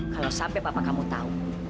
kalau sampai papa kamu tahu